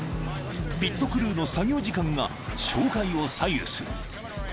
［ピットクルーの作業時間が勝敗を左右する］